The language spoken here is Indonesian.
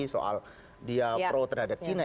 soal dia pro terhadap china